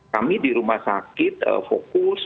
kami di rumah sakit fokus